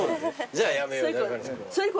じゃあやめようね。